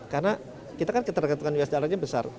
karena kita kan ketergantungan biaya sejarahnya besar